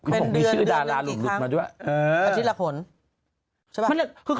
ผมมีชื่อดารารุ่นมาดูแหละ